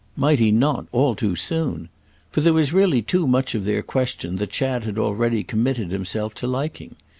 Might he not all too soon! For there was really too much of their question that Chad had already committed himself to liking.